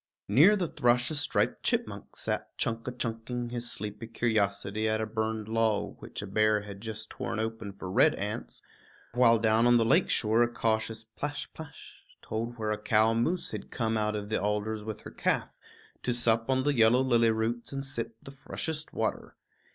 Near the thrush a striped chipmunk sat chunk a chunking his sleepy curiosity at a burned log which a bear had just torn open for red ants; while down on the lake shore a cautious plash plash told where a cow moose had come out of the alders with her calf to sup on the yellow lily roots and sip the freshest water.